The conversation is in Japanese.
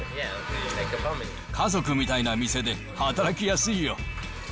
家族みたいな店で働きやすいよ。